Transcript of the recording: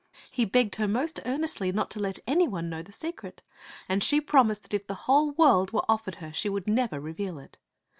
He begged her most earnestly not to let any one know the secret, and she promised that if the whole world were offered her, she would never reveal it.